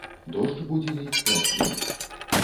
Дождж будзе ліць пяць дзён!